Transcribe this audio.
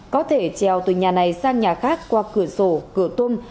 có thể treo từ nhà này sang nhà khác qua cửa sổ cửa tôn